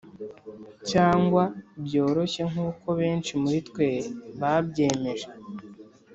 cyangwa byoroshye nkuko benshi muri twe babyemeje.